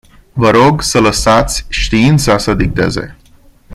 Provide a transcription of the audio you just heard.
Vă rog să lăsați știința să dicteze.